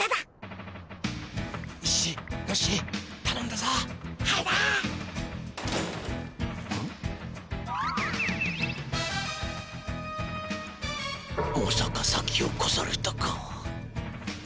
まさか先をこされたか？